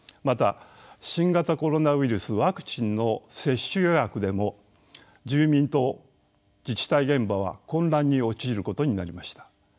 また新型コロナウイルスワクチンの接種予約でも住民と自治体現場は混乱に陥ることになりました。